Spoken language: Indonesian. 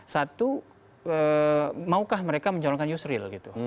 satu maukah mereka menjalankan yusril